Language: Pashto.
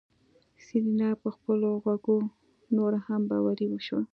سېرېنا په خپلو غوږو نوره هم باوري شوه.